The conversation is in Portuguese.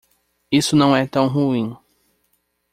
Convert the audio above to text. Isso não é tão ruim.